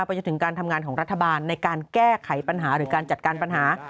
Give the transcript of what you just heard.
จนถึงการทำงานของรัฐบาลในการแก้ไขปัญหาหรือการจัดการปัญหา